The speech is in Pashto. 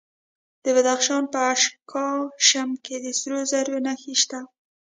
د بدخشان په اشکاشم کې د سرو زرو نښې شته.